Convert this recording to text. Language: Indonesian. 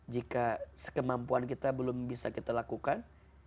jika sekemampuan kita belum bisa kita lakukan